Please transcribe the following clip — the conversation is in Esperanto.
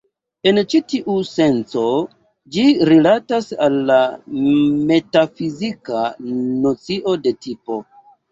En ĉi tiu senco, ĝi rilatas al la metafizika nocio de 'tipo'.